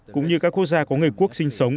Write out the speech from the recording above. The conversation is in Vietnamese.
cũng như các quốc gia có người quốc sinh sống